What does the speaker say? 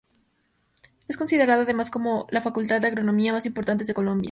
Es considerada además como la Facultad de Agronomía más importante de Colombia.